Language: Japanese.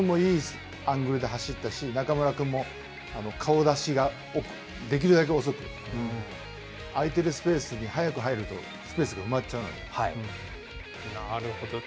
齋藤君もいいアングルで走ったし、中村君も顔出しができるだけ遅く、空いてるスペースに早く入るとスなるほど。